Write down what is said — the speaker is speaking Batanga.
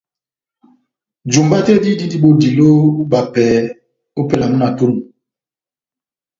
Jumba tɛ́h dí dindi bodilo ó ibapɛ ópɛlɛ ya múna tɛ́h onu